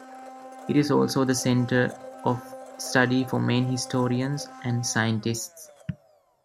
It is also the center of study for many historians and scientists.